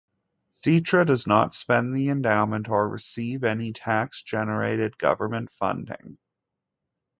Sitra does not spend the endowment or receive any tax-generated government funding.